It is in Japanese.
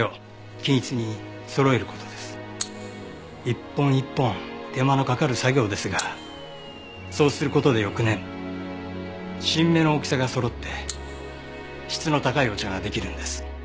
一本一本手間のかかる作業ですがそうする事で翌年新芽の大きさがそろって質の高いお茶ができるんです。